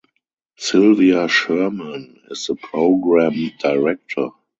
Sylvia Sherman is the program director.